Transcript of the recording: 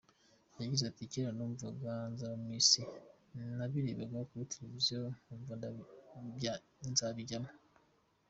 Yagize ati “Kera numvaga nzaba Miss, nabirebaga kuri televiziyo nkumva nzabijyamo.